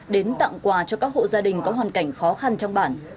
đến tặng quà cho các hộ gia đình có hoàn cảnh khó khăn trong bản